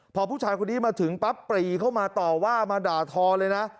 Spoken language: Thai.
พอผู้ชายคนนี้มาถึงปั๊บปรีเข้ามาต่อว่ามาด่าทอเลยนะ